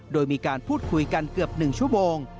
โดยมีการพูดคุยกันเกือบ๑ชั่วโมง